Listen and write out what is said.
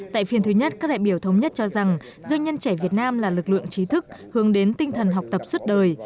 tại phiên thứ nhất các đại biểu thống nhất cho rằng doanh nhân trẻ việt nam là lực lượng trí thức hướng đến tinh thần học tập suốt đời